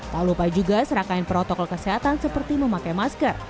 tak lupa juga serangkaian protokol kesehatan seperti memakai masker